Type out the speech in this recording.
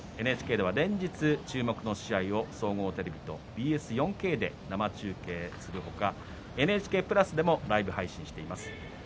ＮＨＫでは連日注目の試合を総合テレビとＢＳ４Ｋで生中継するほかＮＨＫプラスでもライブ配信しています。